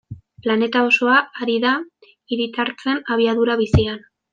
Planeta osoa ari da hiritartzen abiadura bizian.